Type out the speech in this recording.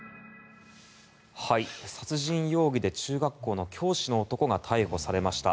殺人容疑で中学校の教師の男が逮捕されました。